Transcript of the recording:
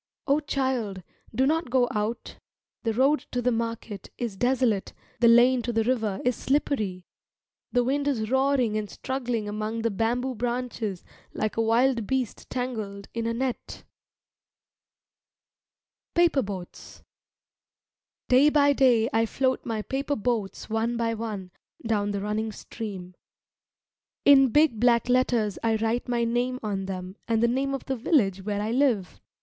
O child, do not go out! The road to the market is desolate, the lane to the river is slippery. The wind is roaring and struggling among the bamboo branches like a wild beast tangled in a net. [Illustration: From a drawing by Surendranath Ganguli see cboat.jpg] PAPER BOATS Day by day I float my paper boats one by one down the running stream. In big black letters I write my name on them and the name of the village where I live.